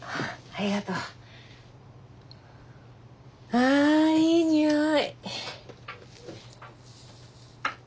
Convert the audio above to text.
ああいい匂い！